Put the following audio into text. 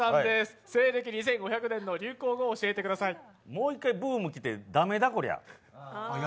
もう１回ブーム来て、ダメだこりゃ。